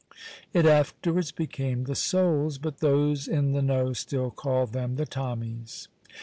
It afterwards became the Souls, but those in the know still call them the Tommies.